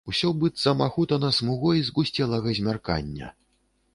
Усе быццам ахутана смугой згусцелага змяркання.